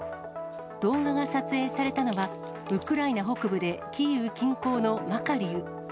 動画が撮影されたのは、ウクライナ北部でキーウ近郊のマカリウ。